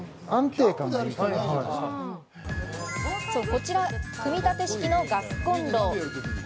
こちら組み立て式のガスコンロ。